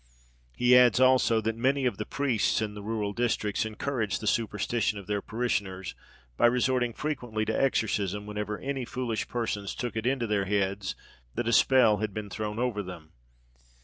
He adds also, that many of the priests in the rural districts encouraged the superstition of their parishioners by resorting frequently to exorcisms whenever any foolish persons took it into their heads that a spell had been thrown over them.